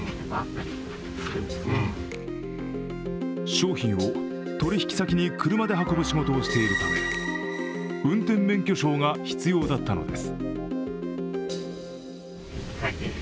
商品を取引先に車で運ぶ仕事をしているため、運転免許証が必要だったのです。